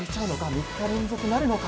３日連続なるのか？